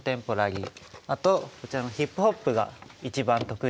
あとこちらのヒップホップが一番得意らしい。